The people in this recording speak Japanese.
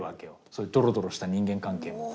そういうドロドロした人間関係も。